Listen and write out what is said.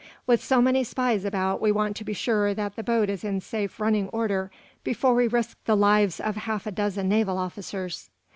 "With so many spies about we want to be sure that the boat is in safe running order before we risk the lives of half a dozen naval officers."